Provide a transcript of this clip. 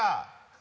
何？